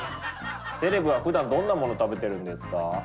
セレブはふだんどんなものを食べてるんですか？